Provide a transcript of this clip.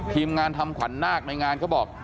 ทีมงานทำขวัญนาคในงานเขาบอก